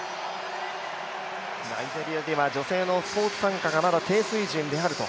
ナイジェリアでは女性のスポーツ参加がまだ低水準であると。